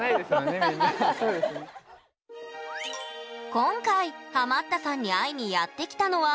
今回ハマったさんに会いにやって来たのは大阪。